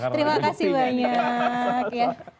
terima kasih banyak